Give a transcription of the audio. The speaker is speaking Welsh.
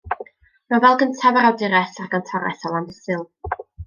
Nofel gyntaf yr awdures a'r gantores o Landysul.